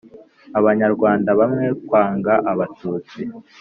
abanyarwanda bamwe kwanga abatutsi